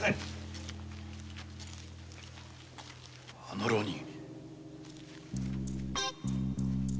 あの浪人？